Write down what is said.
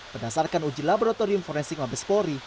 berdasarkan uji laboratorium forensik labes polri